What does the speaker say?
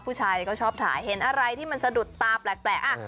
ผู้ชายก็ชอบถ่ายเห็นอะไรที่มันสะดุดตาแปลก